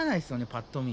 パッと見。